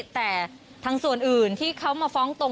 แต่ทางส่วนอื่นที่เขามาฟ้องตรง